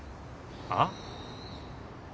あっ？